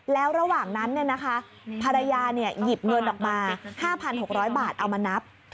แล้วระหว่างนั้นภรรยาหยิบเงินออกมา๕๖๐๐บาทเอามานับ